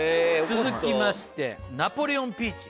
続きましてナポレオンピーチ。